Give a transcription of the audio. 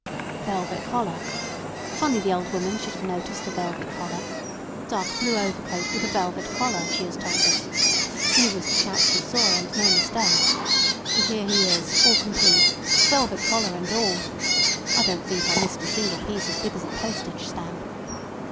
"Velvet collar. Funny the old woman should have noticed the velvet collar. Dark blue overcoat with a velvet collar, she has told us. He was the chap she saw, and no mistake. And here he is all complete, velvet collar and all. I don't think I missed a single piece as big as a postage stamp."